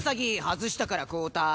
外したから交代。